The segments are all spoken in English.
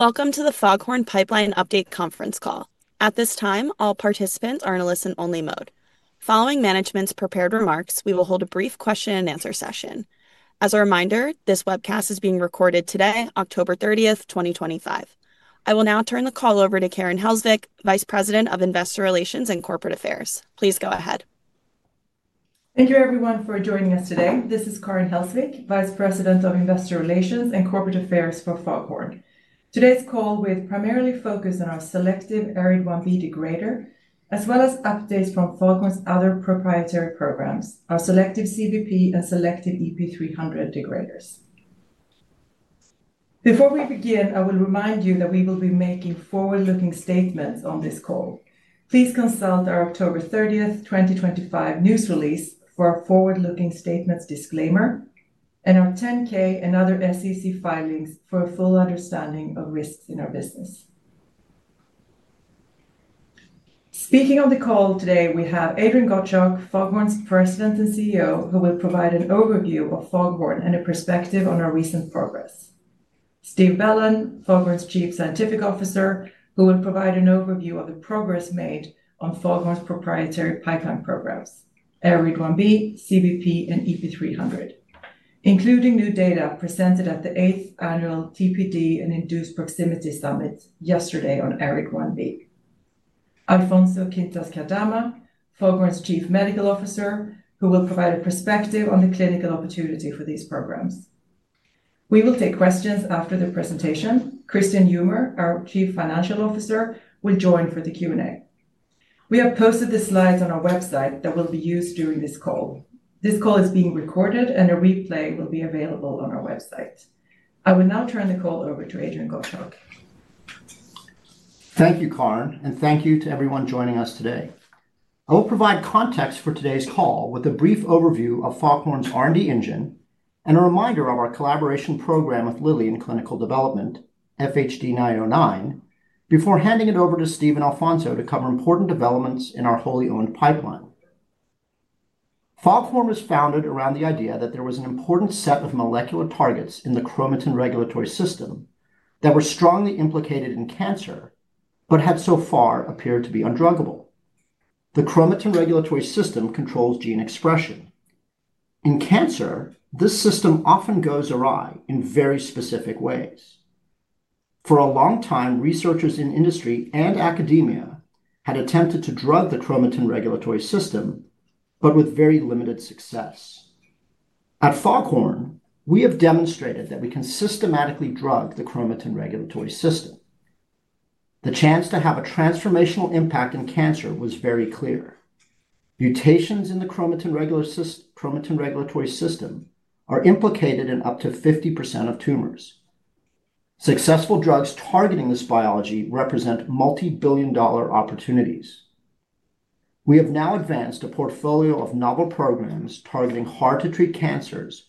Welcome to the Foghorn Pipeline update conference call. At this time, all participants are in a listen-only mode. Following management's prepared remarks, we will hold a brief question-and-answer session. As a reminder, this webcast is being recorded today, October 30th, 2025. I will now turn the call over to Karin Hellsvik, Vice President of Investor Relations and Corporate Affairs. Please go ahead. Thank you, everyone, for joining us today. This is Karin Hellsvik, Vice President of Investor Relations and Corporate Affairs for Foghorn. Today's call will primarily focus on our selective ARID1B degrader, as well as updates from Foghorn's other proprietary programs, our selective CBP and selective EP300 degraders. Before we begin, I will remind you that we will be making forward-looking statements on this call. Please consult our October 30th, 2025, news release for our forward-looking statements disclaimer and our 10-K and other SEC filings for a full understanding of risks in our business. Speaking on the call today, we have Adrian Gottschalk, Foghorn's President and CEO, who will provide an overview of Foghorn and a perspective on our recent progress. Steven Bellon, Foghorn's Chief Scientific Officer, who will provide an overview of the progress made on Foghorn's proprietary pipeline programs, ARID1B, CBP, and EP300, including new data presented at the 8th Annual TPD and Induced Proximity Summit yesterday on ARID1B. Alfonso Quintás-Cardama, Foghorn's Chief Medical Officer, who will provide a perspective on the clinical opportunity for these programs. We will take questions after the presentation. Christian Humer, our Chief Financial Officer, will join for the Q&A. We have posted the slides on our website that will be used during this call. This call is being recorded, and a replay will be available on our website. I will now turn the call over to Adrian Gottschalk. Thank you, Karin, and thank you to everyone joining us today. I will provide context for today's call with a brief overview of Foghorn's R&D engine and a reminder of our collaboration program with Lilly in clinical development, FHD-909, before handing it over to Steven Alfonso to cover important developments in our wholly owned pipeline. Foghorn was founded around the idea that there was an important set of molecular targets in the chromatin regulatory system that were strongly implicated in cancer but had so far appeared to be undruggable. The chromatin regulatory system controls gene expression. In cancer, this system often goes awry in very specific ways. For a long time, researchers in industry and academia had attempted to drug the chromatin regulatory system, but with very limited success. At Foghorn, we have demonstrated that we can systematically drug the chromatin regulatory system. The chance to have a transformational impact in cancer was very clear. Mutations in the chromatin regulatory system are implicated in up to 50% of tumors. Successful drugs targeting this biology represent multi-billion-dollar opportunities. We have now advanced a portfolio of novel programs targeting hard-to-treat cancers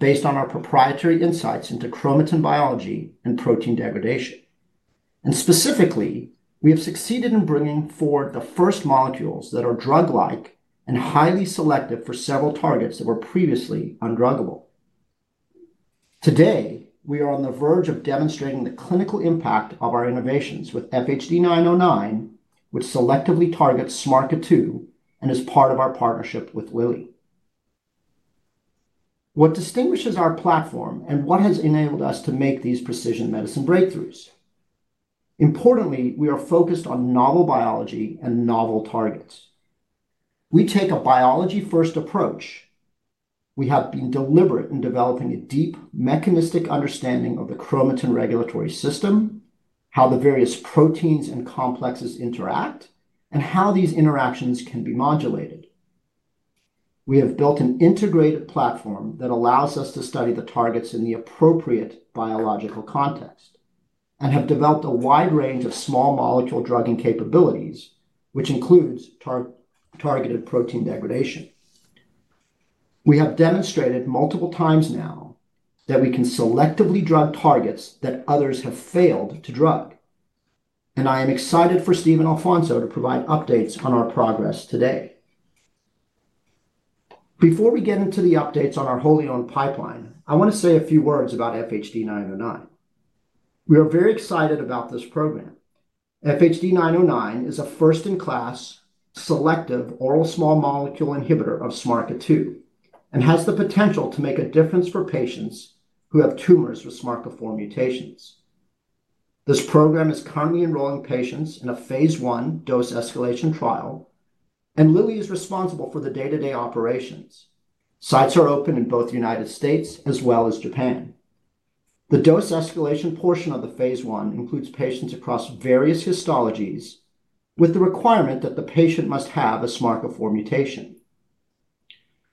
based on our proprietary insights into chromatin biology and protein degradation. Specifically, we have succeeded in bringing forward the first molecules that are drug-like and highly selective for several targets that were previously undruggable. Today, we are on the verge of demonstrating the clinical impact of our innovations with FHD-909, which selectively targets SMARCA2 and is part of our partnership with Lilly. What distinguishes our platform and what has enabled us to make these precision medicine breakthroughs? Importantly, we are focused on novel biology and novel targets. We take a biology-first approach. We have been deliberate in developing a deep mechanistic understanding of the chromatin regulatory system, how the various proteins and complexes interact, and how these interactions can be modulated. We have built an integrated platform that allows us to study the targets in the appropriate biological context and have developed a wide range of small molecule drugging capabilities, which includes targeted protein degradation. We have demonstrated multiple times now that we can selectively drug targets that others have failed to drug. I am excited for Steven Alfonso to provide updates on our progress today. Before we get into the updates on our wholly owned pipeline, I want to say a few words about FHD-909. We are very excited about this program. FHD-909 is a first-in-class, selective oral small molecule inhibitor of SMARCA2 and has the potential to make a difference for patients who have tumors with SMARCA4 mutations. This program is currently enrolling patients in a phase 1 dose escalation trial, and Lilly is responsible for the day-to-day operations. Sites are open in both the United States as well as Japan. The dose escalation portion of the phase 1 includes patients across various histologies, with the requirement that the patient must have a SMARCA4 mutation.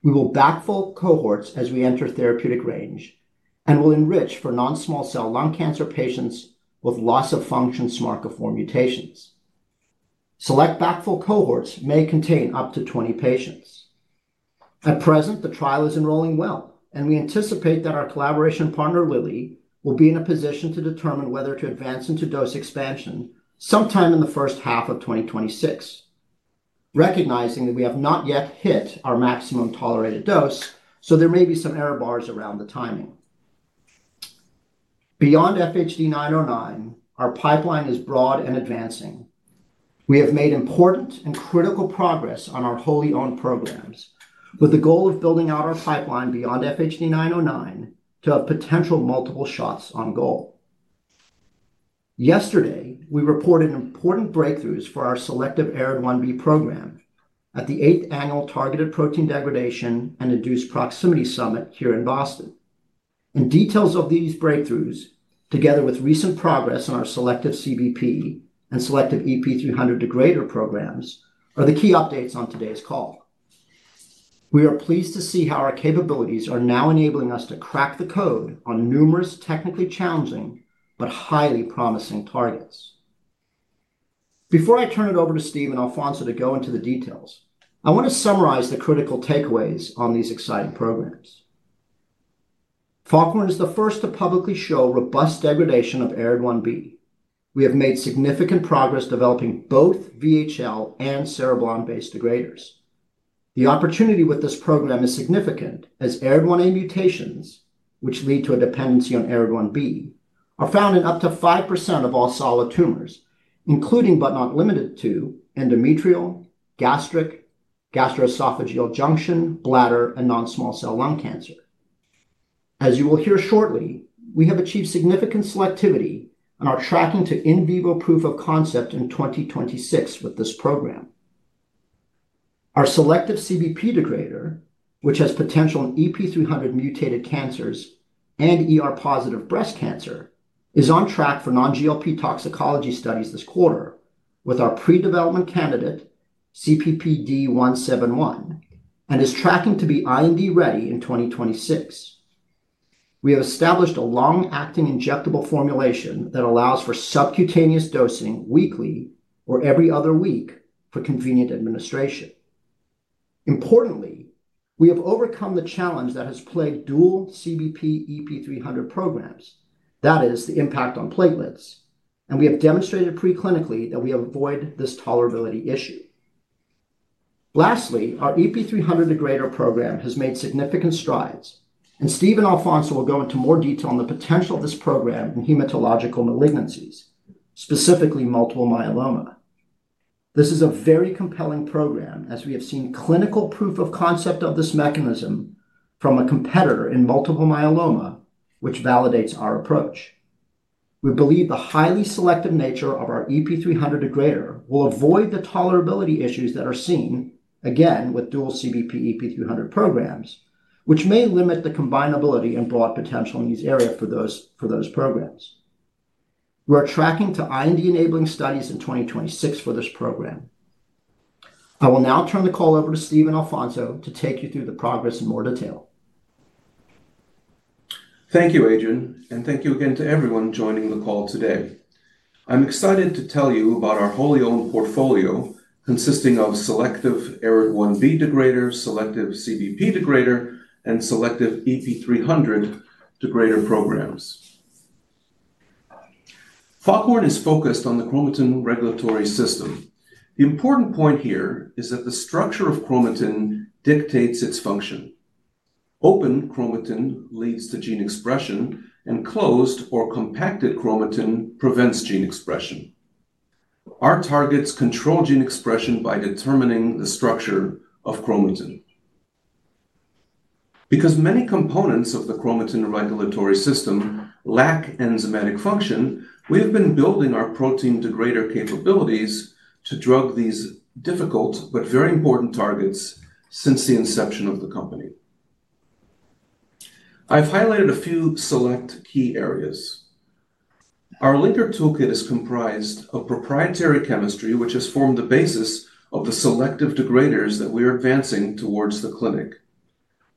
We will backfill cohorts as we enter therapeutic range and will enrich for non-small cell lung cancer patients with loss-of-function SMARCA4 mutations. Select backfill cohorts may contain up to 20 patients. At present, the trial is enrolling well, and we anticipate that our collaboration partner, Lilly, will be in a position to determine whether to advance into dose expansion sometime in the first half of 2026. Recognizing that we have not yet hit our maximum tolerated dose, so there may be some error bars around the timing. Beyond FHD-909, our pipeline is broad and advancing. We have made important and critical progress on our wholly owned programs with the goal of building out our pipeline beyond FHD-909 to have potential multiple shots on goal. Yesterday, we reported important breakthroughs for our selective ARID1B program at the 8th Annual Targeted Protein Degradation and Induced Proximity Summit here in Boston. Details of these breakthroughs, together with recent progress on our selective CBP and selective EP300 degrader programs, are the key updates on today's call. We are pleased to see how our capabilities are now enabling us to crack the code on numerous technically challenging but highly promising targets. Before I turn it over to Steven Alfonso to go into the details, I want to summarize the critical takeaways on these exciting programs. Foghorn is the first to publicly show robust degradation of ARID1B. We have made significant progress developing both VHL and cereblon-based degraders. The opportunity with this program is significant as ARID1A mutations, which lead to a dependency on ARID1B, are found in up to 5% of all solid tumors, including but not limited to endometrial, gastric, gastroesophageal junction, bladder, and non-small cell lung cancer. As you will hear shortly, we have achieved significant selectivity and are tracking to in vivo proof of concept in 2026 with this program. Our selective CBP degrader, which has potential in EP300 mutated cancers and ER-positive breast cancer, is on track for non-GLP toxicology studies this quarter with our pre-development candidate, CPPD171, and is tracking to be IND-ready in 2026. We have established a long-acting injectable formulation that allows for subcutaneous dosing weekly or every other week for convenient administration. Importantly, we have overcome the challenge that has plagued dual CBP/EP300 programs, that is, the impact on platelets, and we have demonstrated preclinically that we avoid this tolerability issue. Lastly, our EP300 degrader program has made significant strides, and Steven, Alfonso will go into more detail on the potential of this program in hematological malignancies, specifically multiple myeloma. This is a very compelling program as we have seen clinical proof of concept of this mechanism from a competitor in multiple myeloma, which validates our approach. We believe the highly selective nature of our EP300 degrader will avoid the tolerability issues that are seen, again, with dual CBP/EP300 programs, which may limit the combinability and broad potential in these areas for those programs. We are tracking to IND-enabling studies in 2026 for this program. I will now turn the call over to Steven, Alfonso to take you through the progress in more detail. Thank you, Adrian, and thank you again to everyone joining the call today. I'm excited to tell you about our wholly owned portfolio consisting of selective ARID1B degrader, selective CBP degrader, and selective EP300 degrader programs. Foghorn is focused on the chromatin regulatory system. The important point here is that the structure of chromatin dictates its function. Open chromatin leads to gene expression, and closed or compacted chromatin prevents gene expression. Our targets control gene expression by determining the structure of chromatin. Because many components of the chromatin regulatory system lack enzymatic function, we have been building our protein degrader capabilities to drug these difficult but very important targets since the inception of the company. I've highlighted a few select key areas. Our linker took it is comprised of proprietary chemistry, which has formed the basis of the selective degraders that we are advancing towards the clinic.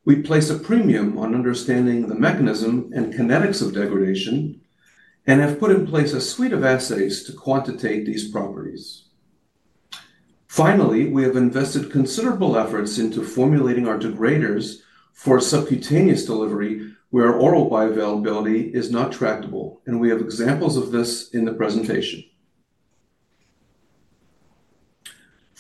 We place a premium on understanding the mechanism and kinetics of degradation and have put in place a suite of assays to quantitate these properties. Finally, we have invested considerable efforts into formulating our degraders for subcutaneous delivery where oral bioavailability is not tractable, and we have examples of this in the presentation.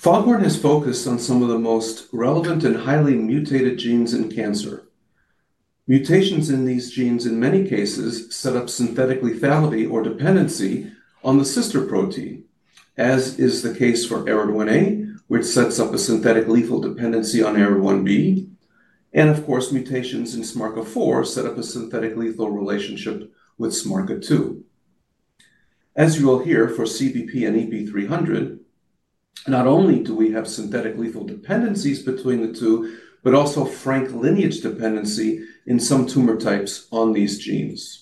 Foghorn has focused on some of the most relevant and highly mutated genes in cancer. Mutations in these genes, in many cases, set up synthetic lethality or dependency on the sister protein, as is the case for ARID1A, which sets up a synthetic lethal dependency on ARID1B, and of course, mutations in SMARCA4 set up a synthetic lethal relationship with SMARCA2. As you will hear for CBP and EP300, not only do we have synthetic lethal dependencies between the two, but also frank lineage dependency in some tumor types on these genes.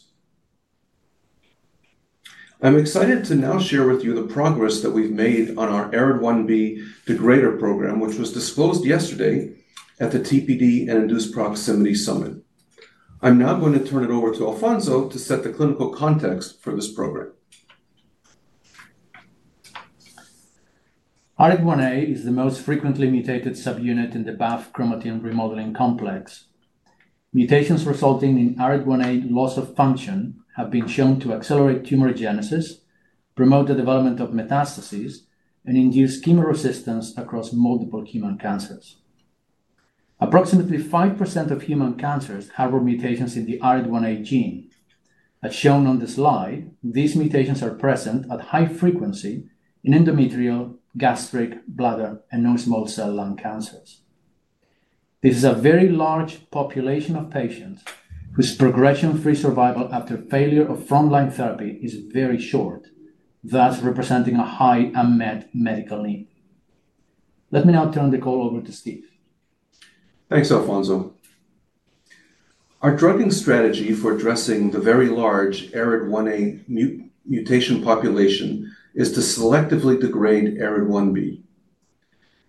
I'm excited to now share with you the progress that we've made on our ARID1B degrader program, which was disclosed yesterday at the TPD and Induced Proximity Summit. I'm now going to turn it over to Alfonso to set the clinical context for this program. ARID1A is the most frequently mutated subunit in the BAF chromatin remodeling complex. Mutations resulting in ARID1A loss of function have been shown to accelerate tumor genesis, promote the development of metastases, and induce chemoresistance across multiple human cancers. Approximately 5% of human cancers harbor mutations in the ARID1A gene. As shown on the slide, these mutations are present at high frequency in endometrial, gastric, bladder, and non-small cell lung cancers. This is a very large population of patients whose progression-free survival after failure of frontline therapy is very short, thus representing a high unmet medical need. Let me now turn the call over to Steven. Thanks, Alfonso. Our drugging strategy for addressing the very large ARID1A mutation population is to selectively degrade ARID1B.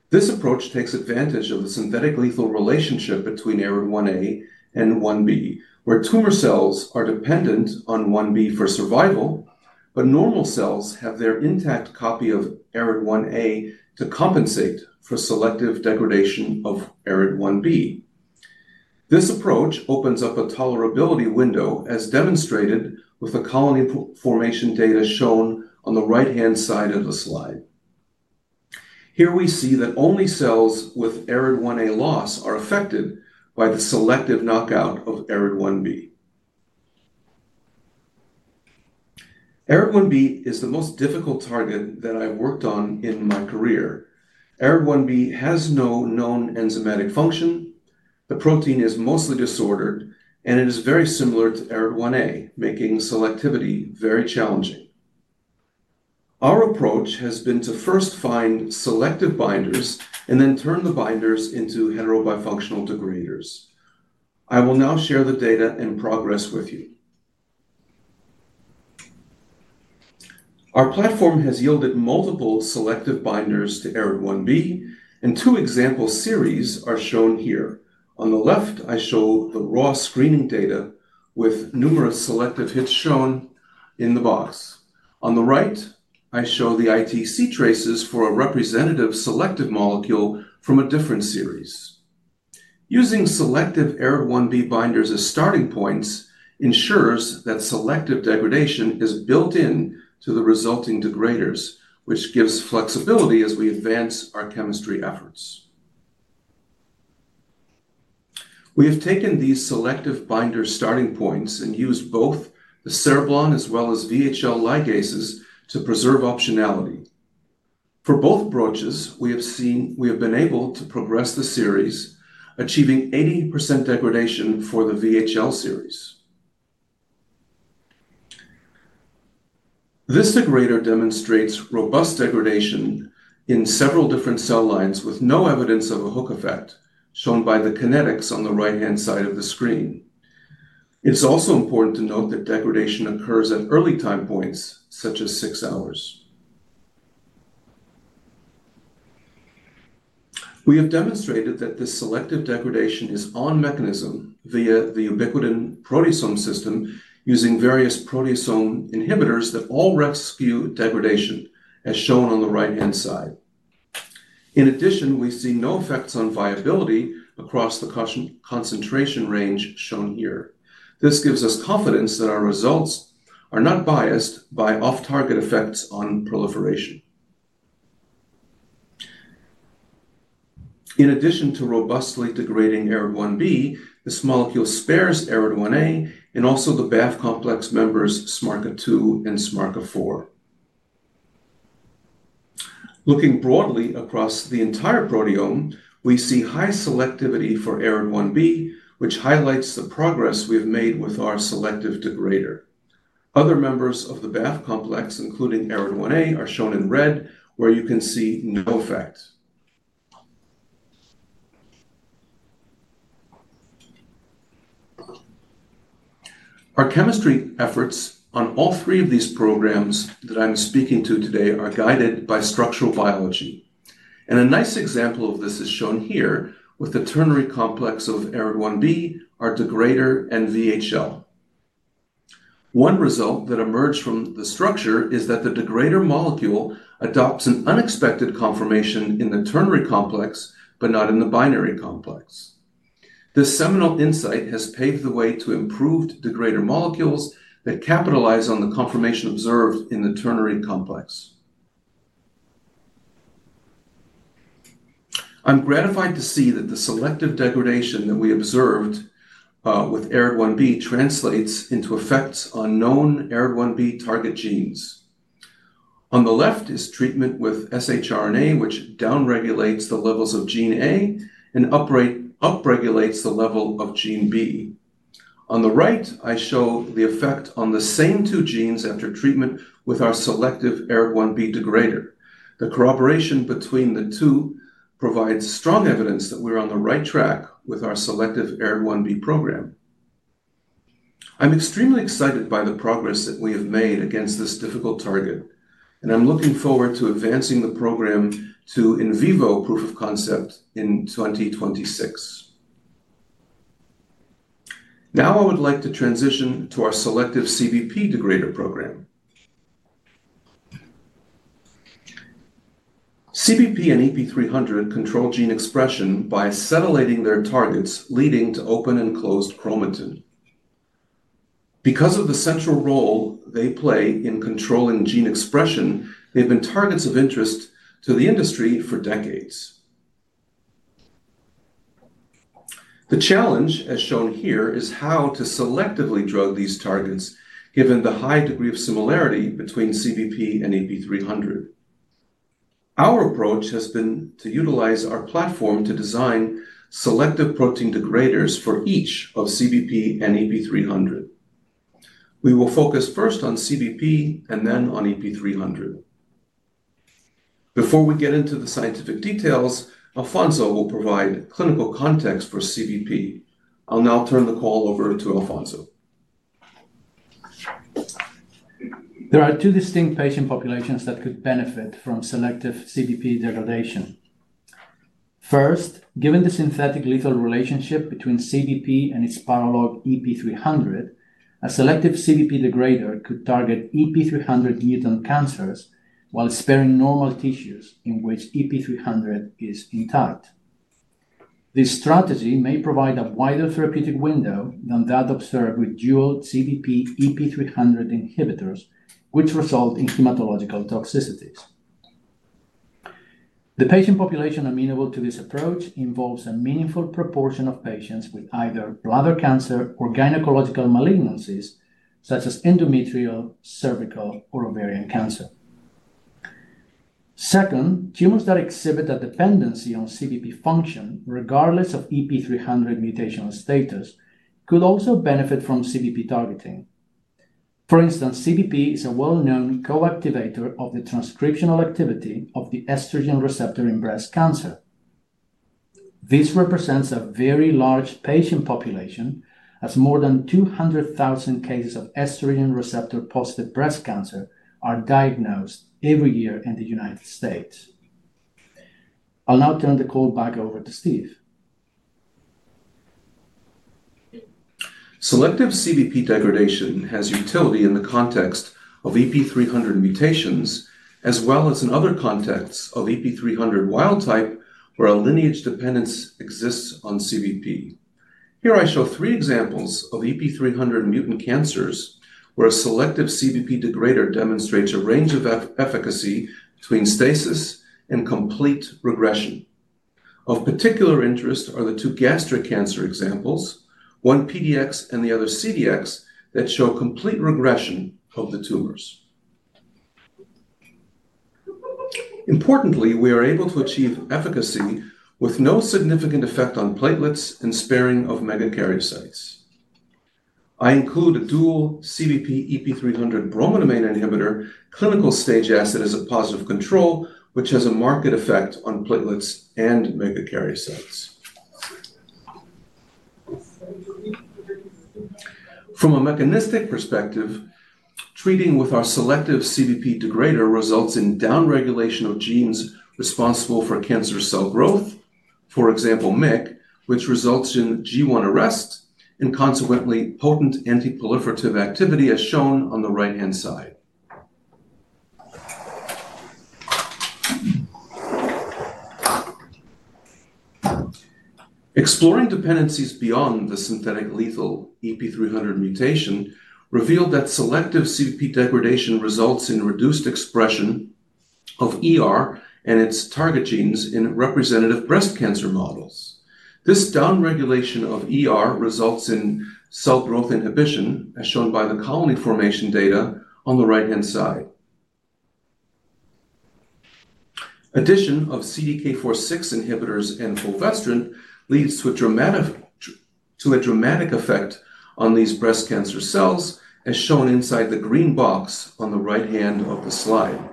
This approach takes advantage of the synthetic lethal relationship between ARID1A and 1B, where tumor cells are dependent on 1B for survival, but normal cells have their intact copy of ARID1A to compensate for selective degradation of ARID1B. This approach opens up a tolerability window, as demonstrated with the colony formation data shown on the right-hand side of the slide. Here we see that only cells with ARID1A loss are affected by the selective knockout of ARID1B. ARID1B is the most difficult target that I've worked on in my career. ARID1B has no known enzymatic function. The protein is mostly disordered, and it is very similar to ARID1A, making selectivity very challenging. Our approach has been to first find selective binders and then turn the binders into heterobifunctional degraders. I will now share the data and progress with you. Our platform has yielded multiple selective binders to ARID1B, and two example series are shown here. On the left, I show the raw screening data with numerous selective hits shown in the box. On the right, I show the ITC traces for a representative selective molecule from a different series. Using selective ARID1B binders as starting points ensures that selective degradation is built into the resulting degraders, which gives flexibility as we advance our chemistry efforts. We have taken these selective binder starting points and used both the cereblon as well as VHL ligases to preserve optionality. For both approaches, we have been able to progress the series, achieving 80% degradation for the VHL series. This degrader demonstrates robust degradation in several different cell lines with no evidence of a hook effect, shown by the kinetics on the right-hand side of the screen. It's also important to note that degradation occurs at early time points, such as six hours. We have demonstrated that this selective degradation is on mechanism via the ubiquitin proteasome system using various proteasome inhibitors that all rescue degradation, as shown on the right-hand side. In addition, we see no effects on viability across the concentration range shown here. This gives us confidence that our results are not biased by off-target effects on proliferation. In addition to robustly degrading ARID1B, this molecule spares ARID1A and also the BAF complex members, SMARCA2 and SMARCA4. Looking broadly across the entire proteome, we see high selectivity for ARID1B, which highlights the progress we have made with our selective degrader. Other members of the BAF complex, including ARID1A, are shown in red, where you can see no effect. Our chemistry efforts on all three of these programs that I'm speaking to today are guided by structural biology. A nice example of this is shown here with the ternary complex of ARID1B, our degrader, and VHL. One result that emerged from the structure is that the degrader molecule adopts an unexpected conformation in the ternary complex, but not in the binary complex. This seminal insight has paved the way to improved degrader molecules that capitalize on the conformation observed in the ternary complex. I'm gratified to see that the selective degradation that we observed with ARID1B translates into effects on known ARID1B target genes. On the left is treatment with SHRNA, which downregulates the levels of gene A and upregulates the level of gene B. On the right, I show the effect on the same two genes after treatment with our selective ARID1B degrader. The corroboration between the two provides strong evidence that we're on the right track with our selective ARID1B program. I'm extremely excited by the progress that we have made against this difficult target, and I'm looking forward to advancing the program to in vivo proof-of-concept in 2026. Now I would like to transition to our selective CBP degrader program. CBP and EP300 control gene expression by acetylating their targets, leading to open and closed chromatin. Because of the central role they play in controlling gene expression, they've been targets of interest to the industry for decades. The challenge, as shown here, is how to selectively drug these targets, given the high degree of similarity between CBP and EP300. Our approach has been to utilize our platform to design selective protein degraders for each of CBP and EP300. We will focus first on CBP and then on EP300. Before we get into the scientific details, Alfonso will provide clinical context for CBP. I'll now turn the call over to Alfonso. There are two distinct patient populations that could benefit from selective CBP degradation. First, given the synthetic lethal relationship between CBP and its parallel EP300, a selective CBP degrader could target EP300 mutant cancers while sparing normal tissues in which EP300 is intact. This strategy may provide a wider therapeutic window than that observed with dual CBP/EP300 inhibitors, which result in hematological toxicities. The patient population amenable to this approach involves a meaningful proportion of patients with either bladder cancer or gynecological malignancies, such as endometrial, cervical, or ovarian cancer. Second, tumors that exhibit a dependency on CBP function, regardless of EP300 mutational status, could also benefit from CBP targeting. For instance, CBP is a well-known co-activator of the transcriptional activity of the estrogen receptor in breast cancer. This represents a very large patient population, as more than 200,000 cases of estrogen receptor-positive breast cancer are diagnosed every year in the United States. I'll now turn the call back over to Steve. Selective CBP degradation has utility in the context of EP300 mutations, as well as in other contexts of EP300 wild type where a lineage dependence exists on CBP. Here I show three examples of EP300 mutant cancers where a selective CBP degrader demonstrates a range of efficacy between stasis and complete regression. Of particular interest are the two gastric cancer examples, one PDX and the other CDX, that show complete regression of the tumors. Importantly, we are able to achieve efficacy with no significant effect on platelets and sparing of megakaryocytes. I include a dual CBP/EP300 inhibitor clinical stage asset as a positive control, which has a marked effect on platelets and megakaryocytes. From a mechanistic perspective, treating with our selective CBP degrader results in downregulation of genes responsible for cancer cell growth, for example, MYC, which results in G1 arrest and consequently potent antiproliferative activity, as shown on the right-hand side. Exploring dependencies beyond the synthetic lethal EP300 mutation revealed that selective CBP degradation results in reduced expression of ER and its target genes in representative breast cancer models. This downregulation of ER results in cell growth inhibition, as shown by the colony formation data on the right-hand side. Addition of CDK4/6 inhibitors and fulvestrant leads to a dramatic effect on these breast cancer cells, as shown inside the green box on the right-hand of the slide.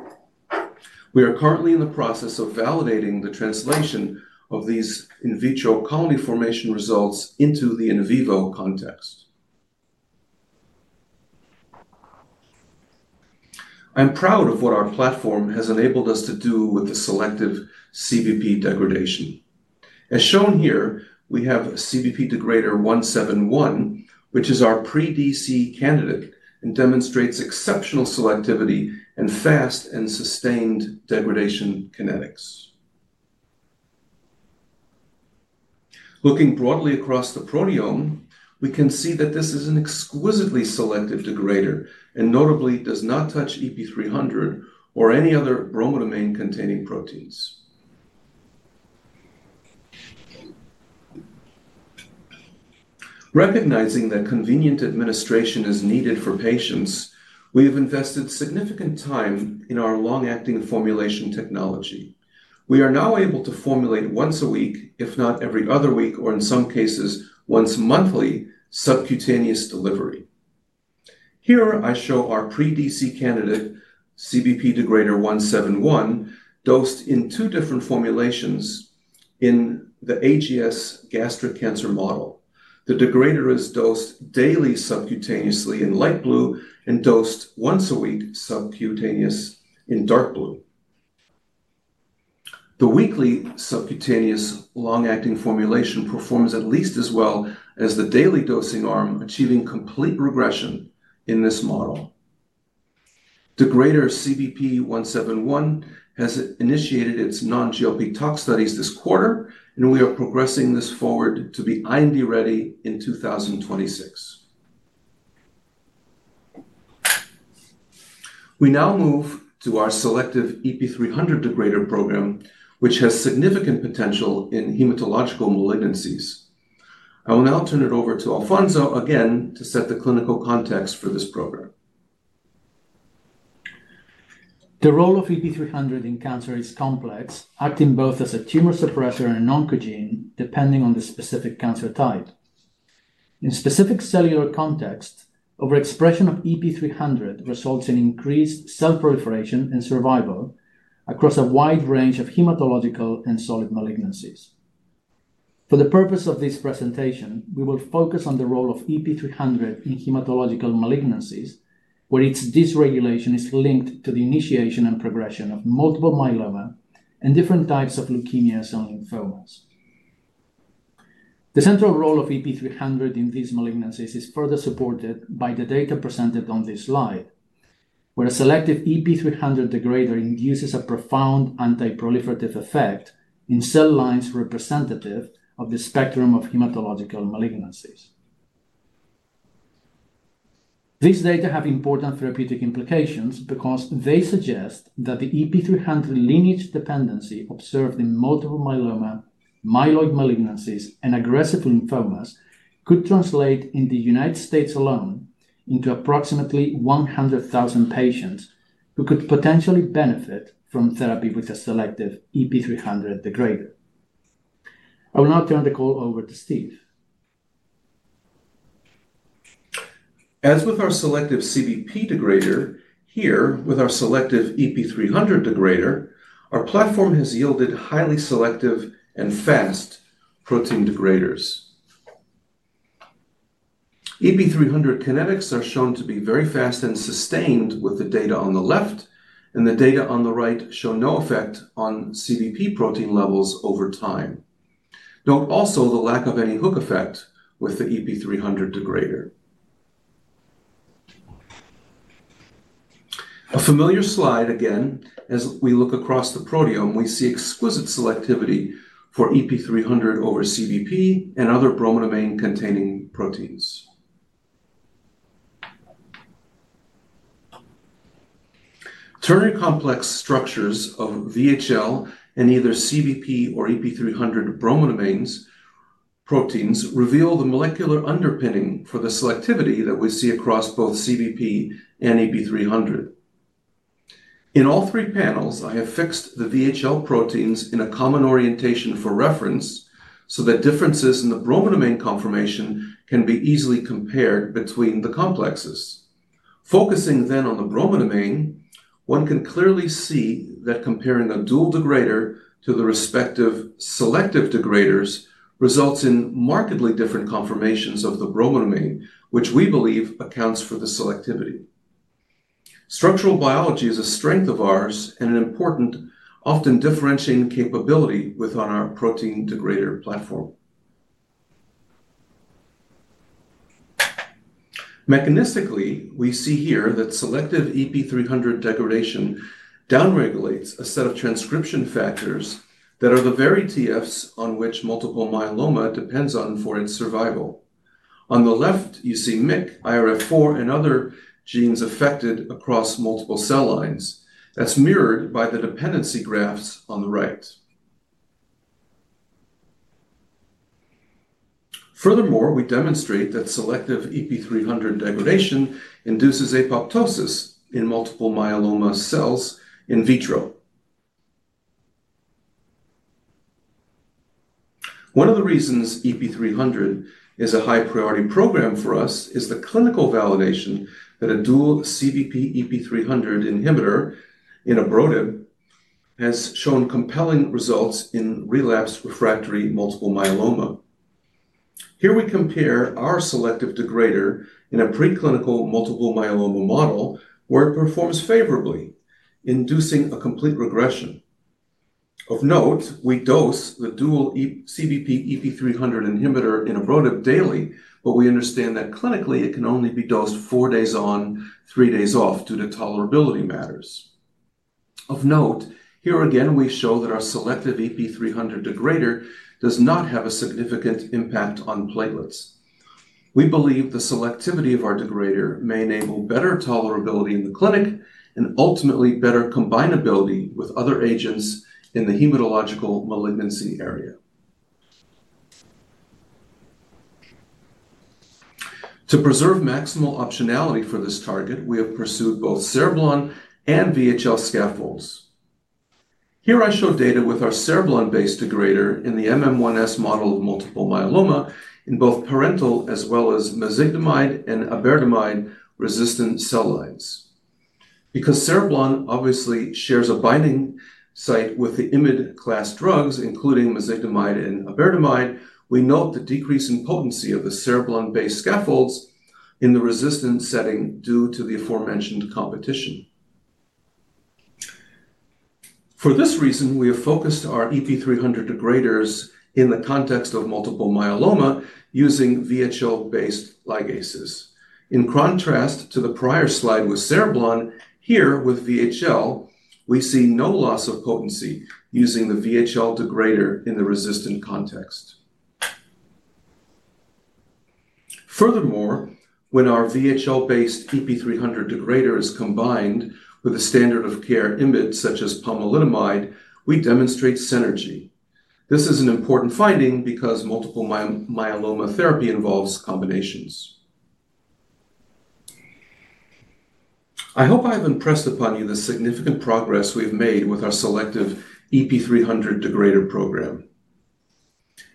We are currently in the process of validating the translation of these in vitro colony formation results into the in vivo context. I'm proud of what our platform has enabled us to do with the selective CBP degradation. As shown here, we have a CBP degrader 171, which is our pre-development candidate and demonstrates exceptional selectivity and fast and sustained degradation kinetics. Looking broadly across the proteome, we can see that this is an exquisitely selective degrader and notably does not touch EP300 or any other bromodomain-containing proteins. Recognizing that convenient administration is needed for patients, we have invested significant time in our long-acting formulation technology. We are now able to formulate once a week, if not every other week, or in some cases once monthly, subcutaneous delivery. Here I show our pre-development candidate CBP degrader 171 dosed in two different formulations in the AGS gastric cancer model. The degrader is dosed daily subcutaneously in light blue and dosed once a week subcutaneously in dark blue. The weekly subcutaneous long-acting formulation performs at least as well as the daily dosing arm, achieving complete regression in this model. Degrader CBP 171 has initiated its non-GLP-tox studies this quarter, and we are progressing this forward to be IND ready in 2026. We now move to our selective EP300 degrader program, which has significant potential in hematological malignancies. I will now turn it over to Alfonso again to set the clinical context for this program. The role of EP300 in cancer is complex, acting both as a tumor suppressor and an oncogene, depending on the specific cancer type. In specific cellular context, overexpression of EP300 results in increased cell proliferation and survival across a wide range of hematological and solid malignancies. For the purpose of this presentation, we will focus on the role of EP300 in hematological malignancies, where its dysregulation is linked to the initiation and progression of multiple myeloma and different types of leukemias and lymphomas. The central role of EP300 in these malignancies is further supported by the data presented on this slide, where a selective EP300 degrader induces a profound antiproliferative effect in cell lines representative of the spectrum of hematological malignancies. These data have important therapeutic implications because they suggest that the EP300 lineage dependency observed in multiple myeloma, myeloid malignancies, and aggressive lymphomas could translate in the United States alone into approximately 100,000 patients who could potentially benefit from therapy with a selective EP300 degrader. I will now turn the call over to Steve. As with our selective CBP degrader, here with our selective EP300 degrader, our platform has yielded highly selective and fast protein degraders. EP300 kinetics are shown to be very fast and sustained with the data on the left, and the data on the right show no effect on CBP protein levels over time. Note also the lack of any hook effect with the EP300 degrader. A familiar slide again, as we look across the proteome, we see exquisite selectivity for EP300 over CBP and other bromodomain-containing proteins. Ternary complex structures of VHL and either CBP or EP300 bromodomain proteins reveal the molecular underpinning for the selectivity that we see across both CBP and EP300. In all three panels, I have fixed the VHL proteins in a common orientation for reference so that differences in the bromodomain conformation can be easily compared between the complexes. Focusing then on the bromodomain, one can clearly see that comparing a dual degrader to the respective selective degraders results in markedly different conformations of the bromodomain, which we believe accounts for the selectivity. Structural biology is a strength of ours and an important, often differentiating capability within our protein degrader platform. Mechanistically, we see here that selective EP300 degradation downregulates a set of transcription factors that are the very TFs on which multiple myeloma depends for its survival. On the left, you see MYC, IRF4, and other genes affected across multiple cell lines, as mirrored by the dependency graphs on the right. Furthermore, we demonstrate that selective EP300 degradation induces apoptosis in multiple myeloma cells in vitro. One of the reasons EP300 is a high-priority program for us is the clinical validation that a dual CBP/EP300 inhibitor in a PROTAC has shown compelling results in relapsed refractory multiple myeloma. Here we compare our selective degrader in a preclinical multiple myeloma model where it performs favorably, inducing a complete regression. Of note, we dose the dual CBP/EP300 inhibitor in a PROTAC daily, but we understand that clinically it can only be dosed four days on, three days off, due to tolerability matters. Of note, here again we show that our selective EP300 degrader does not have a significant impact on platelets. We believe the selectivity of our degrader may enable better tolerability in the clinic and ultimately better combinability with other agents in the hematological malignancy area. To preserve maximal optionality for this target, we have pursued both Cereblon and VHL scaffolds. Here I show data with our Cereblon-based degrader in the MM1S model of multiple myeloma in both parental as well as mezigdomide and iberdomide-resistant cell lines. Because Cereblon obviously shares a binding site with the IMiD class drugs, including mezigdomide and iberdomide, we note the decrease in potency of the Cereblon-based scaffolds in the resistance setting due to the aforementioned competition. For this reason, we have focused our EP300 degraders in the context of multiple myeloma using VHL-based ligases. In contrast to the prior slide with Cereblon, here with VHL, we see no loss of potency using the VHL degrader in the resistant context. Furthermore, when our VHL-based EP300 degrader is combined with a standard of care IMiD such as pomalidomide, we demonstrate synergy. This is an important finding because multiple myeloma therapy involves combinations. I hope I have impressed upon you the significant progress we've made with our selective EP300 degrader program.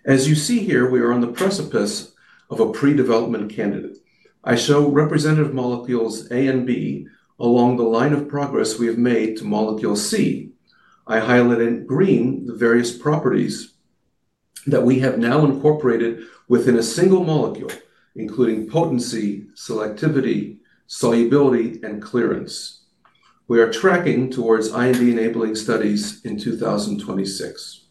As you see here, we are on the precipice of a pre-development candidate. I show representative molecules A and B along the line of progress we have made to molecule C. I highlight in green the various properties that we have now incorporated within a single molecule, including potency, selectivity, solubility, and clearance. We are tracking towards IND enabling studies in 2026.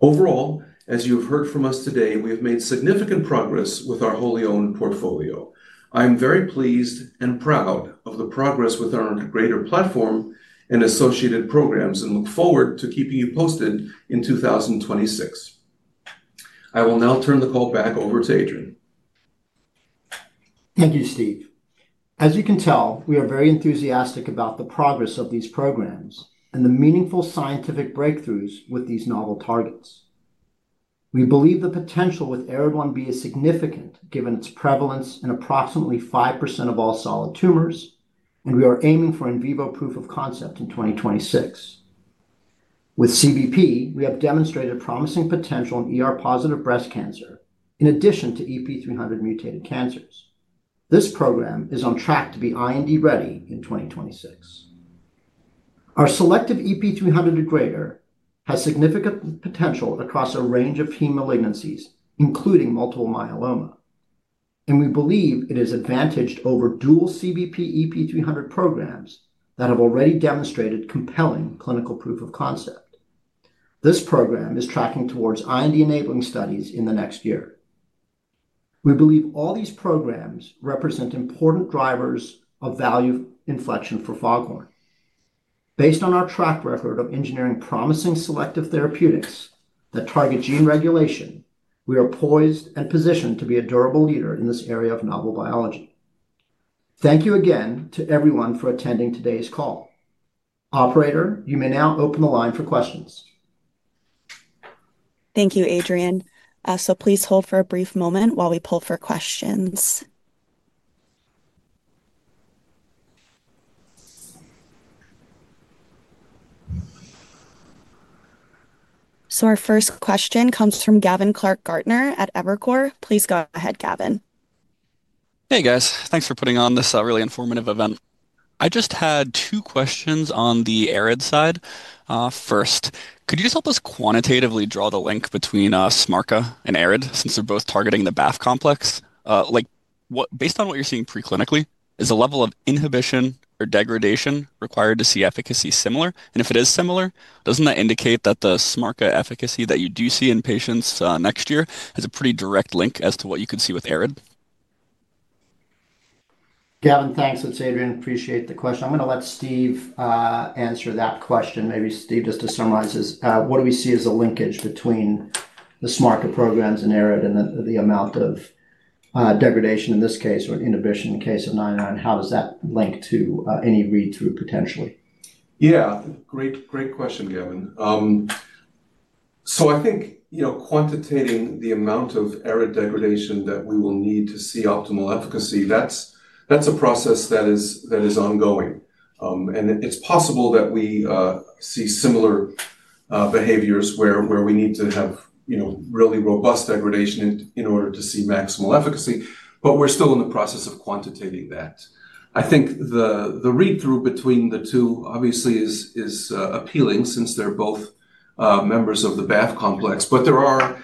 Overall, as you have heard from us today, we have made significant progress with our wholly owned portfolio. I am very pleased and proud of the progress with our degrader platform and associated programs and look forward to keeping you posted in 2026. I will now turn the call back over to Adrian. Thank you, Steve. As you can tell, we are very enthusiastic about the progress of these programs and the meaningful scientific breakthroughs with these novel targets. We believe the potential with selective ARID1B degrader could be significant given its prevalence in approximately 5% of all solid tumors, and we are aiming for in vivo proof-of-concept in 2026. With CBP, we have demonstrated promising potential in ER-positive breast cancer in addition to EP300 mutated cancers. This program is on track to be IND ready in 2026. Our selective EP300 degrader has significant potential across a range of hematological malignancies, including multiple myeloma, and we believe it is advantaged over dual CBP/EP300 inhibitors that have already demonstrated compelling clinical proof-of-concept. This program is tracking towards IND enabling studies in the next year. We believe all these programs represent important drivers of value inflection for Foghorn. Based on our track record of engineering promising selective therapeutics that target gene regulation, we are poised and positioned to be a durable leader in this area of novel biology. Thank you again to everyone for attending today's call. Operator, you may now open the line for questions. Thank you, Adrian. Please hold for a brief moment while we pull for questions. Our first question comes from Gavin Clark-Gartner at Evercore. Please go ahead, Gavin. Hey, guys. Thanks for putting on this really informative event. I just had two questions on the ARID side. First, could you just help us quantitatively draw the link between SMARCA and ARID since they're both targeting the BAF complex? Based on what you're seeing preclinically, is the level of inhibition or degradation required to see efficacy similar? If it is similar, doesn't that indicate that the SMARCA efficacy that you do see in patients next year has a pretty direct link as to what you could see with ARID? Gavin, thanks. It's Adrian. Appreciate the question. I'm going to let Steve answer that question. Maybe Steve, just to summarize, what do we see as a linkage between the SMARCA programs and ARID and the amount of degradation in this case or inhibition in the case of 999? How does that link to any read-through potentially? Yeah, great question, Gavin. I think quantitating the amount of ARID degradation that we will need to see optimal efficacy, that's a process that is ongoing. It's possible that we see similar behaviors where we need to have really robust degradation in order to see maximal efficacy, but we're still in the process of quantitating that. I think the read-through between the two obviously is appealing since they're both members of the BAF complex, but there are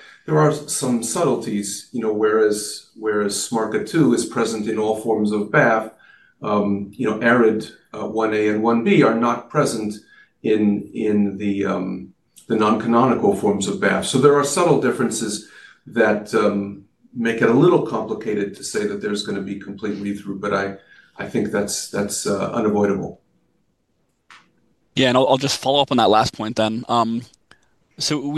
some subtleties. Whereas SMARCA2 is present in all forms of BAF, ARID1A and 1B are not present in the non-canonical forms of BAF. There are subtle differences that make it a little complicated to say that there's going to be complete read-through, but I think that's unavoidable. Yeah, I'll just follow up on that last point. We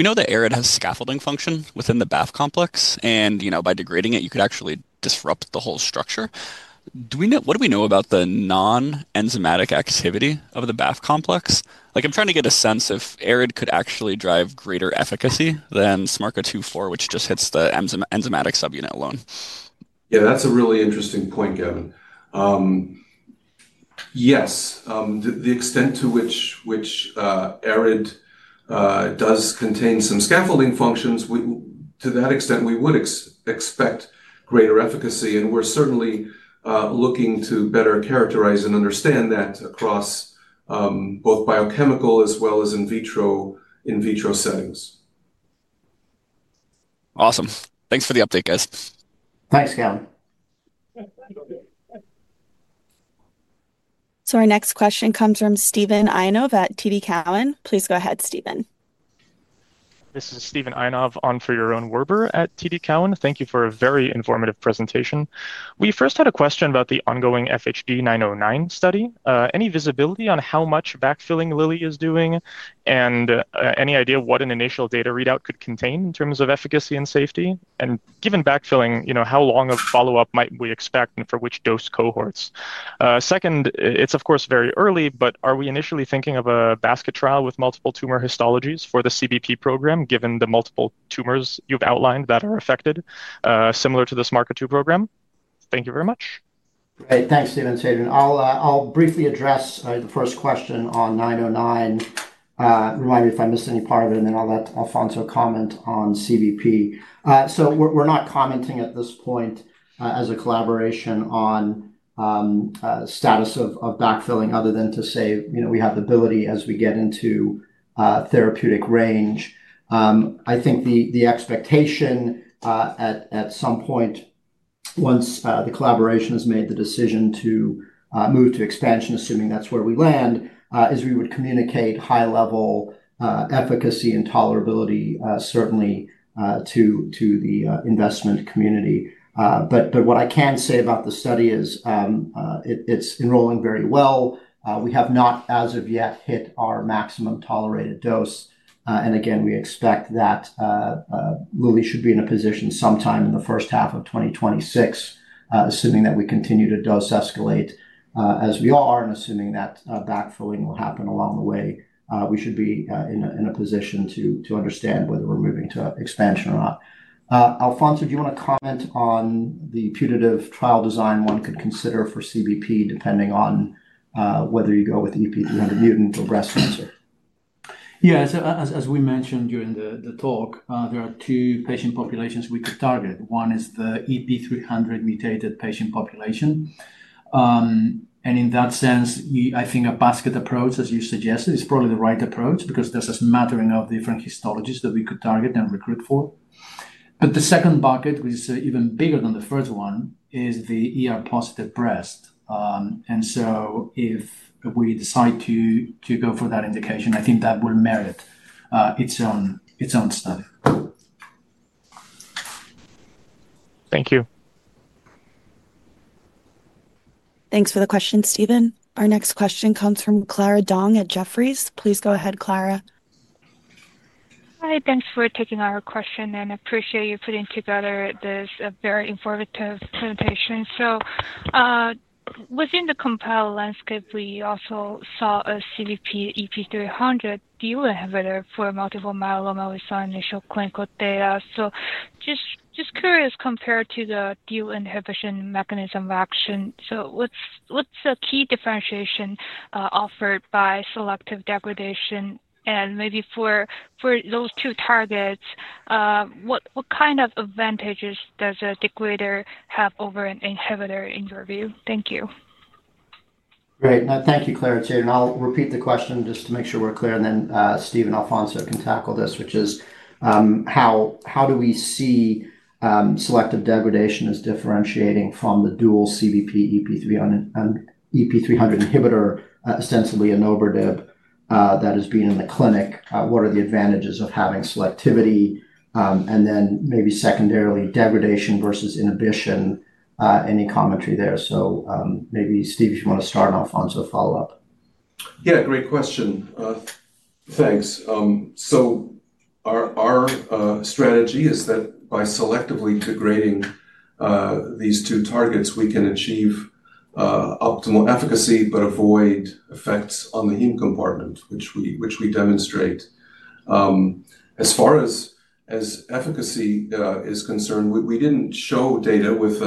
know that ARID has scaffolding function within the BAF complex, and by degrading it, you could actually disrupt the whole structure. What do we know about the non-enzymatic activity of the BAF complex? I'm trying to get a sense if ARID could actually drive greater efficacy than SMARCA2, which just hits the enzymatic subunit alone. Yeah, that's a really interesting point, Gavin. Yes, the extent to which ARID does contain some scaffolding functions, to that extent, we would expect greater efficacy. We're certainly looking to better characterize and understand that across both biochemical as well as in vitro settings. Awesome. Thanks for the update, guys. Thanks, Gavin. Our next question comes from Steven Ianov at TD Cowen. Please go ahead, Steven. This is Steven Ionov on for Yaron Werber at TD Cowen. Thank you for a very informative presentation. We first had a question about the ongoing FHD-909 study. Any visibility on how much backfilling Lilly is doing and any idea what an initial data readout could contain in terms of efficacy and safety? Given backfilling, how long of follow-up might we expect and for which dose cohorts? Second, it's of course very early, but are we initially thinking of a basket trial with multiple tumor histologies for the CBP degrader program given the multiple tumors you've outlined that are affected similar to the SMARCA2 program? Thank you very much. Great. Thanks, Steven, and Adrian. I'll briefly address the first question on 909. Remind me if I missed any part of it, and then I'll let Alfonso comment on CBP. We're not commenting at this point as a collaboration on status of backfilling other than to say we have the ability as we get into therapeutic range. I think the expectation at some point, once the collaboration has made the decision to move to expansion, assuming that's where we land, is we would communicate high-level efficacy and tolerability certainly to the investment community. What I can say about the study is it's enrolling very well. We have not, as of yet, hit our maximum tolerated dose. We expect that Lilly should be in a position sometime in the first half of 2026, assuming that we continue to dose escalate as we are and assuming that backfilling will happen along the way. We should be in a position to understand whether we're moving to expansion or not. Alfonso, do you want to comment on the putative trial design one could consider for CBP depending on whether you go with EP300 mutant or breast cancer? Yeah, as we mentioned during the talk, there are two patient populations we could target. One is the EP300 mutated patient population. In that sense, I think a basket approach, as you suggested, is probably the right approach because there's a smattering of different histologies that we could target and recruit for. The second bucket, which is even bigger than the first one, is the ER-positive breast. If we decide to go for that indication, I think that will merit its own study. Thank you. Thanks for the question, Steven. Our next question comes from Clara Dong at Jefferies. Please go ahead, Clara. Hi, thanks for taking our question, and I appreciate you putting together this very informative presentation. Within the compiled landscape, we also saw a dual CBP/EP300 inhibitor for multiple myeloma with some initial clinical data. Just curious, compared to the dual inhibition mechanism of action, what's the key differentiation offered by selective degradation? Maybe for those two targets, what kind of advantages does a degrader have over an inhibitor in your view? Thank you. Great. Thank you, Clara and Adrian. I'll repeat the question just to make sure we're clear, and then Steven, Alfonso can tackle this, which is: How do we see selective degradation as differentiating from the dual CBP/EP300 inhibitor, ostensibly an over deb that is being in the clinic? What are the advantages of having selectivity? Maybe secondarily, degradation versus inhibition. Any commentary there? Steve, if you want to start, and Alfonso follow up. Yeah, great question. Thanks. Our strategy is that by selectively degrading these two targets, we can achieve optimal efficacy but avoid effects on the heme compartment, which we demonstrate. As far as efficacy is concerned, we didn't show data with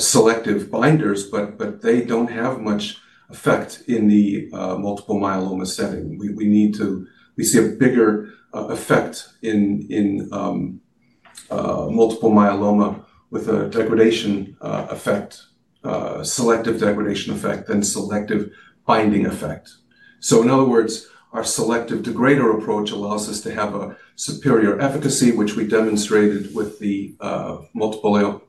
selective binders, but they don't have much effect in the multiple myeloma setting. We need to see a bigger effect in multiple myeloma with a degradation effect, selective degradation effect, and selective binding effect. In other words, our selective degrader approach allows us to have a superior efficacy, which we demonstrated with the multiple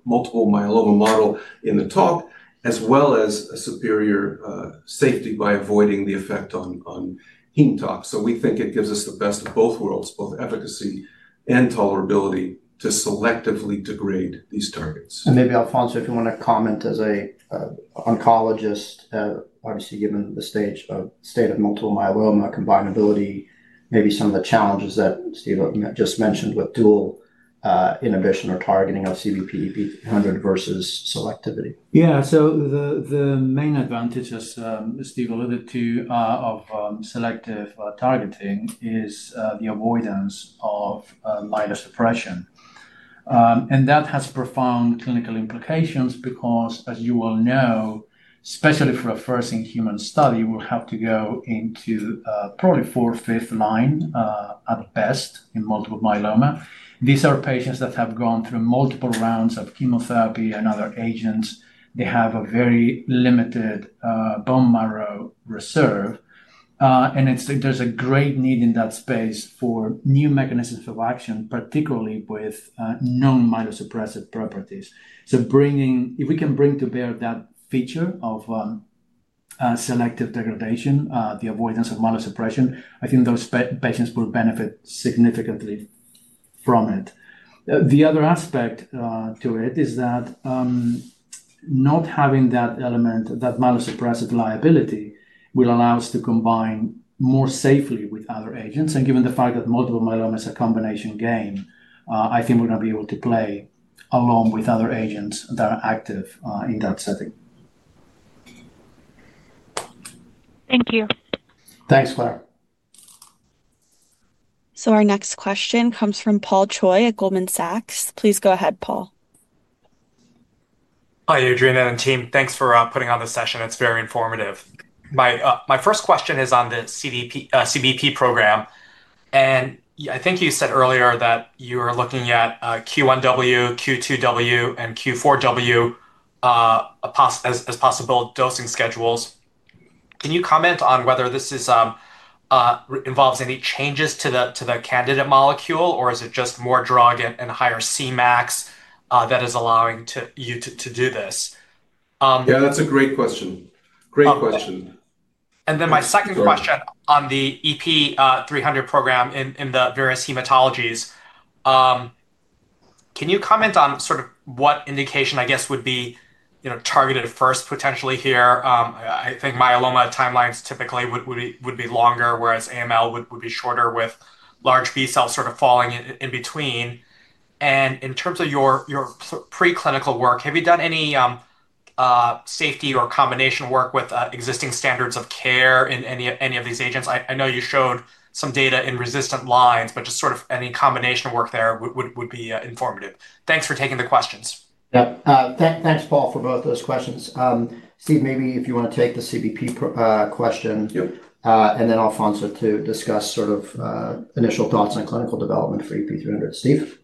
myeloma model in the talk, as well as a superior safety by avoiding the effect on heme talk. We think it gives us the best of both worlds, both efficacy and tolerability to selectively degrade these targets. Maybe Alfonso, if you want to comment as an oncologist, obviously given the state of multiple myeloma, combinability, maybe some of the challenges that Steve just mentioned with dual inhibition or targeting of CBP versus selectivity. The main advantages, as Steve alluded to, of selective targeting is the avoidance of myelosuppression. That has profound clinical implications because, as you will know, especially for a first-in-human study, we'll have to go into probably fourth, fifth line at best in multiple myeloma. These are patients that have gone through multiple rounds of chemotherapy and other agents. They have a very limited bone marrow reserve. There's a great need in that space for new mechanisms of action, particularly with known myelosuppressive properties. If we can bring to bear that feature of selective degradation, the avoidance of myelosuppression, I think those patients will benefit significantly from it. The other aspect to it is that not having that element, that myelosuppressive liability, will allow us to combine more safely with other agents. Given the fact that multiple myeloma is a combination game, I think we're going to be able to play along with other agents that are active in that setting. Thank you. Thanks, Clara. Our next question comes from Paul Choi at Goldman Sachs. Please go ahead, Paul. Hi, Adrian and team. Thanks for putting on this session. It's very informative. My first question is on the CBP program. I think you said earlier that you are looking at Q1W, Q2W, and Q4W as possible dosing schedules. Can you comment on whether this involves any changes to the candidate molecule, or is it just more drug and higher cmax that is allowing you to do this? That's a great question. Great question. My second question on the EP300 program in the various hematologies: can you comment on sort of what indication, I guess, would be targeted first potentially here? I think myeloma timelines typically would be longer, whereas AML would be shorter with large B cells sort of falling in between. In terms of your preclinical work, have you done any safety or combination work with existing standards of care in any of these agents? I know you showed some data in resistant lines, but just sort of any combination work there would be informative. Thanks for taking the questions. Yeah. Thanks, Paul, for both those questions. Steve, maybe if you want to take the CBP question. Yep. Alfonso, to discuss sort of initial thoughts on clinical development for EP300. Steve?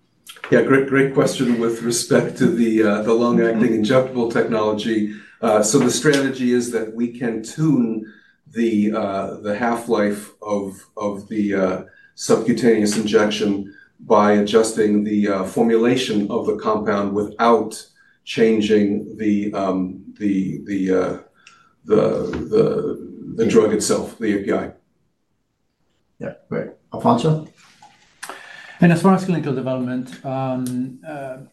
Great question with respect to the long-acting injectable technology. The strategy is that we can tune the half-life of the subcutaneous injection by adjusting the formulation of the compound without changing the drug itself, the API. Yeah, great. Alfonso? As far as clinical development, I'm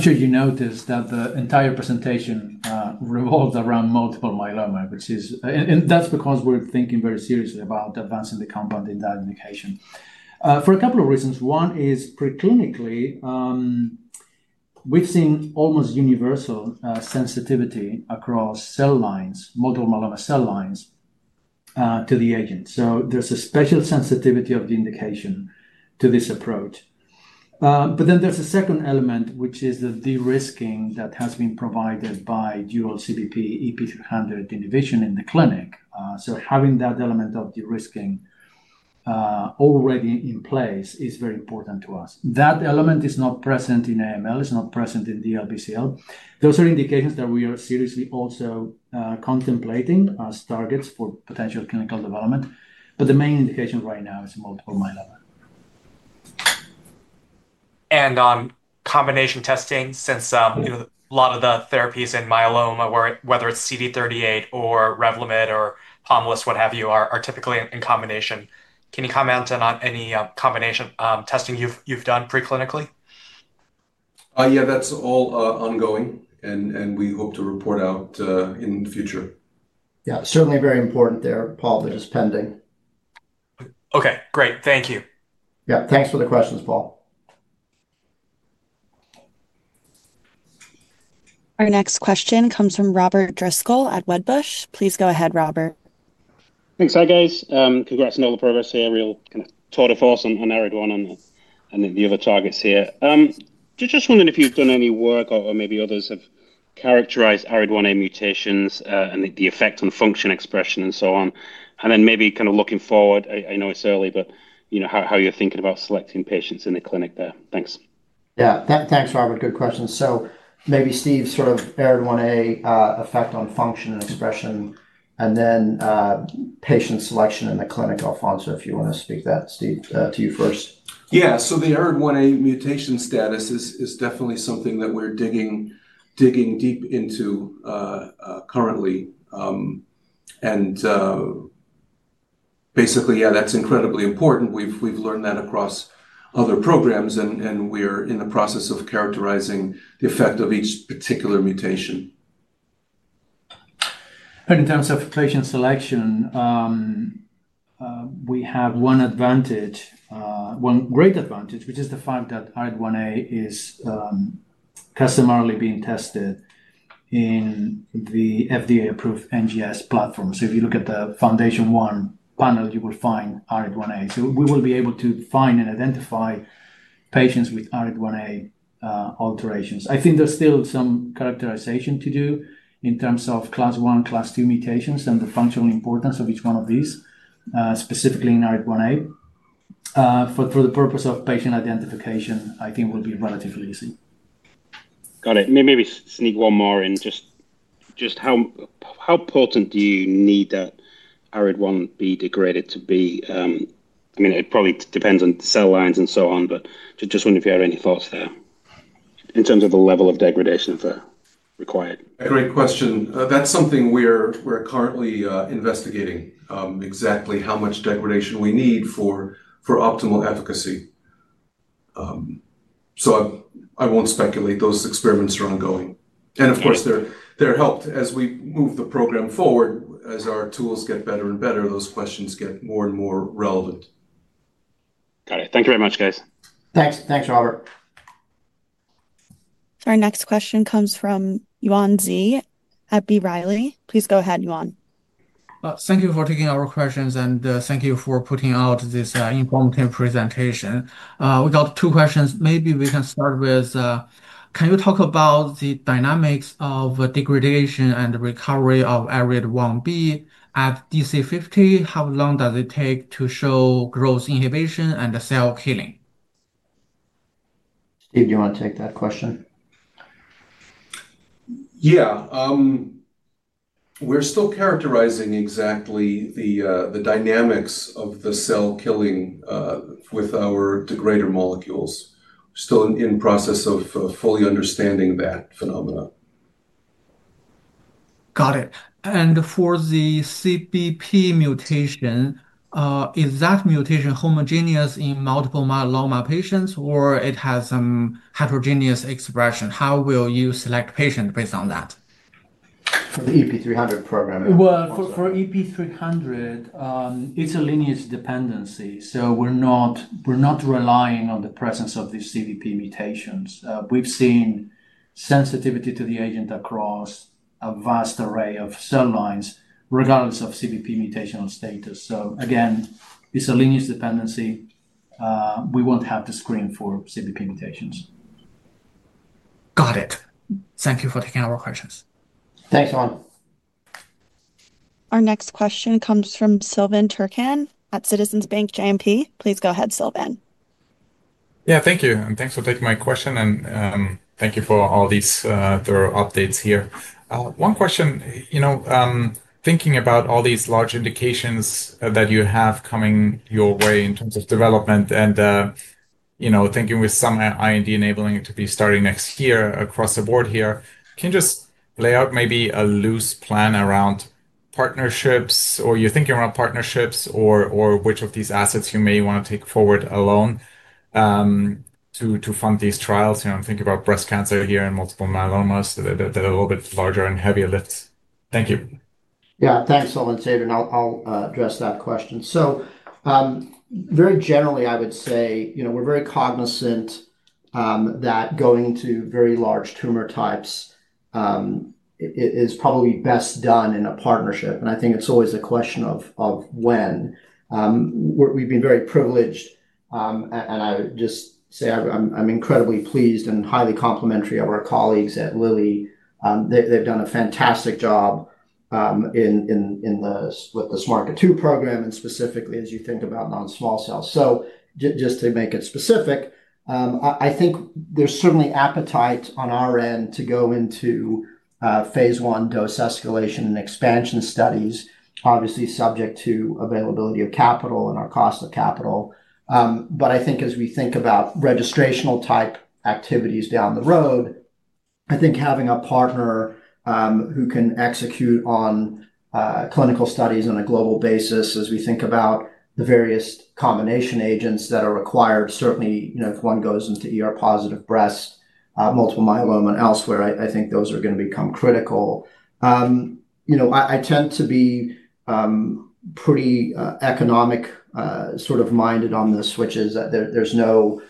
sure you noticed that the entire presentation revolves around multiple myeloma, which is, and that's because we're thinking very seriously about advancing the compound in that indication. For a couple of reasons. One is, preclinically, we've seen almost universal sensitivity across cell lines, multiple myeloma cell lines, to the agent. There's a special sensitivity of the indication to this approach. There's a second element, which is the de-risking that has been provided by dual CBP/EP300 inhibition in the clinic. Having that element of de-risking already in place is very important to us. That element is not present in AML, is not present in DLBCL. Those are indications that we are seriously also contemplating as targets for potential clinical development. The main indication right now is multiple myeloma. On combination testing, since a lot of the therapies in multiple myeloma, whether it's CD38 or Revlimid or Pomalyst, what have you, are typically in combination, can you comment on any combination testing you've done preclinically? Yeah, that's all ongoing, and we hope to report out in the future. Yeah, certainly very important there, Paul, that is pending. Okay, great. Thank you. Yeah, thanks for the questions, Paul. Our next question comes from Robert Driscoll at Wedbush. Please go ahead, Robert. Thanks. Hi, guys. Congrats on all the progress here. Real kind of tour de force on ARID1B and the other targets here. Just wondering if you've done any work or maybe others have characterized ARID1A mutations and the effect on function, expression, and so on. Maybe looking forward, I know it's early, but how you're thinking about selecting patients in the clinic there. Thanks. Yeah, thanks, Robert. Good question. Steve, sort of ARID1A effect on function and expression, and then patient selection in the clinic. Alfonso, if you want to speak to that. Steve, to you first. Yeah, the ARID1A mutation status is definitely something that we're digging deep into currently. Basically, yeah, that's incredibly important. We've learned that across other programs, and we are in the process of characterizing the effect of each particular mutation. In terms of patient selection, we have one advantage, one great advantage, which is the fact that ARID1A is customarily being tested in the FDA-approved NGS platform. If you look at the Foundation One panel, you will find ARID1A. We will be able to find and identify patients with ARID1A alterations. I think there's still some characterization to do in terms of class I, class II mutations and the functional importance of each one of these, specifically in ARID1A. For the purpose of patient identification, I think it will be relatively easy. Got it. Maybe sneak one more in. How important do you need that ARID1B degraded to be? I mean, it probably depends on cell lines and so on, but just wondering if you had any thoughts there in terms of the level of degradation required. Great question. That's something we're currently investigating, exactly how much degradation we need for optimal efficacy. I won't speculate. Those experiments are ongoing. Of course, they're helped as we move the program forward. As our tools get better and better, those questions get more and more relevant. Got it. Thank you very much, guys. Thanks, Robert. Our next question comes from Yuan Zhi at B. Riley. Please go ahead, Yuan. Thank you for taking our questions, and thank you for putting out this informative presentation. We got two questions. Maybe we can start with, can you talk about the dynamics of degradation and recovery of ARID1B at DC50? How long does it take to show growth inhibition and cell killing? Steve, do you want to take that question? Yeah. We're still characterizing exactly the dynamics of the cell killing with our degrader molecules. We're still in the process of fully understanding that phenomenon. Got it. For the CBP mutation, is that mutation homogeneous in multiple myeloma patients, or does it have some heterogeneous expression? How will you select patients based on that? For the EP300 program? For EP300, it's a lineage dependency. We're not relying on the presence of these CBP mutations. We've seen sensitivity to the agent across a vast array of cell lines, regardless of CBP mutational status. It's a lineage dependency. We won't have to screen for CBP mutations. Got it. Thank you for taking our questions. Thanks, Yuan. Our next question comes from Silvan Türkcan at Citizens Bank, JMP. Please go ahead, Silvan. Thank you. Thanks for taking my question, and thank you for all these thorough updates here. One question. Thinking about all these large indications that you have coming your way in terms of development and thinking with some IND enabling to be starting next year across the board here, can you just lay out maybe a loose plan around partnerships or your thinking around partnerships or which of these assets you may want to take forward alone to fund these trials? Think about breast cancer here and multiple myelomas that are a little bit larger and heavier. Thank you. Yeah, thanks, Silvan. I'll address that question. Very generally, I would say we're very cognizant that going to very large tumor types is probably best done in a partnership. I think it's always a question of when. We've been very privileged, and I would just say I'm incredibly pleased and highly complimentary of our colleagues at Lilly. They've done a fantastic job with the SMARCA2 program, and specifically as you think about non-small cells. Just to make it specific, I think there's certainly appetite on our end to go into phase one dose escalation and expansion studies, obviously subject to availability of capital and our cost of capital. As we think about registrational type activities down the road, I think having a partner who can execute on clinical studies on a global basis as we think about the various combination agents that are required, certainly if one goes into positive breast, multiple myeloma, and elsewhere, I think those are going to become critical. I tend to be pretty economic sort of minded on this, which is that there's no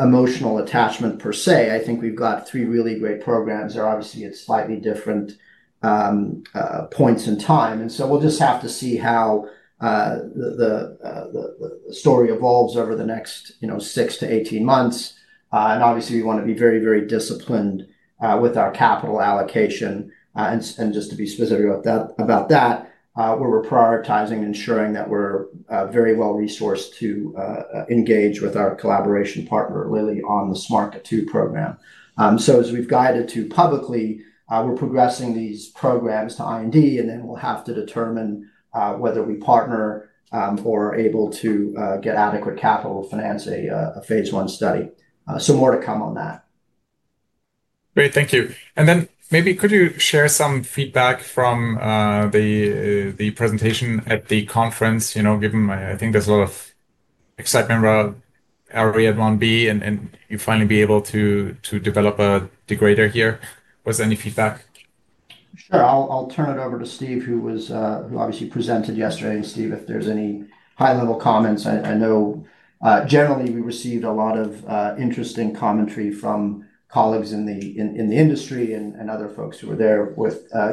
emotional attachment per se. I think we've got three really great programs that are obviously at slightly different points in time, and we'll just have to see how the story evolves over the next 6-18 months. Obviously, we want to be very, very disciplined with our capital allocation. Just to be specific about that, we're prioritizing ensuring that we're very well resourced to engage with our collaboration partner, Lilly, on the SMARCA2 program. As we've guided to publicly, we're progressing these programs to IND, and then we'll have to determine whether we partner or are able to get adequate capital to finance a phase one study. More to come on that. Great. Thank you. Maybe could you share some feedback from the presentation at the conference, given I think there's a lot of excitement around ARID1B and you finally being able to develop a degrader here? Was there any feedback? Sure. I'll turn it over to Steve, who obviously presented yesterday. Steve, if there's any high-level comments, I know we received a lot of interesting commentary from colleagues in the industry and other folks who were there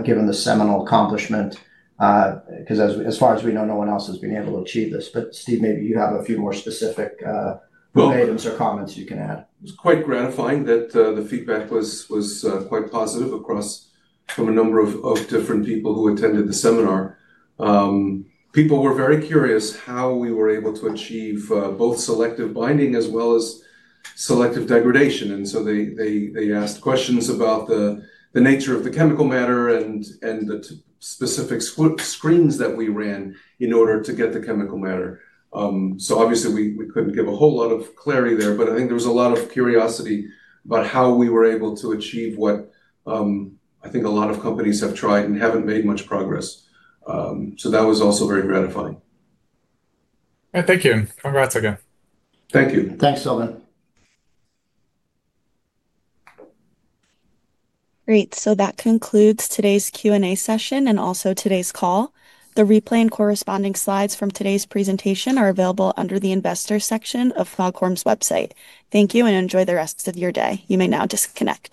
given the seminal accomplishment. As far as we know, no one else has been able to achieve this. Steve, maybe you have a few more specific observations or comments you can add. It was quite gratifying that the feedback was quite positive from a number of different people who attended the seminar. People were very curious how we were able to achieve both selective binding as well as selective degradation. They asked questions about the nature of the chemical matter and the specific screens that we ran in order to get the chemical matter. Obviously, we couldn't give a whole lot of clarity there, but I think there was a lot of curiosity about how we were able to achieve what I think a lot of companies have tried and haven't made much progress. That was also very gratifying. Thank you. Congrats again. Thank you. Thanks, Silvan. Great. That concludes today's Q&A session and also today's call. The replay and corresponding slides from today's presentation are available under the investor section of Foghorn's website. Thank you and enjoy the rest of your day. You may now disconnect.